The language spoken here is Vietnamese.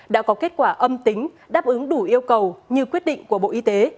đã có kết quả âm tính đáp ứng đủ yêu cầu như quyết định của bộ y tế